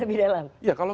apa yang lebih dalam